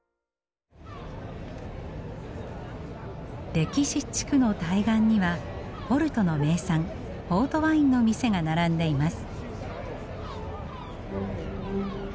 歴史地区の対岸にはポルトの名産ポートワインの店が並んでいます。